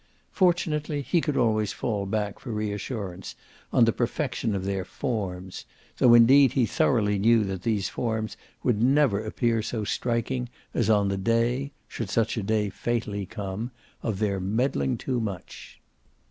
Fortunately he could always fall back, for reassurance, on the perfection of their "forms"; though indeed he thoroughly knew that these forms would never appear so striking as on the day should such a day fatally come of their meddling too much.